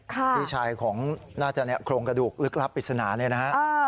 พี่ชายของน่าจะเนี่ยโครงกระดูกลึกลับปริศนาเลยนะ